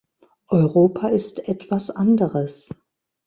Europa ist etwas anderes.